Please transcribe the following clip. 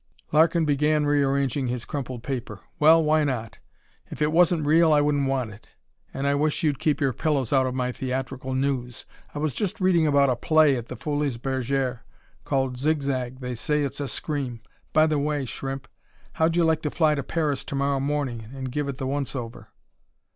Larkin began rearranging his crumpled paper. "Well, why not? If it wasn't real I wouldn't want it. And I wish you'd keep your pillows out of my theatrical news. I was just reading about a play at the Folies Bergeres, called 'Zig Zag'. They say it's a scream. By the way, Shrimp, how'd you like to fly to Paris to morrow morning and give it the once over?"